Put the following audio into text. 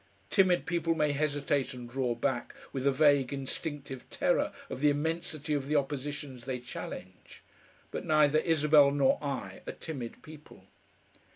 Timid people may hesitate and draw back with a vague instinctive terror of the immensity of the oppositions they challenge, but neither Isabel nor I are timid people.